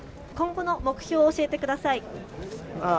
今後の目標を教えてください。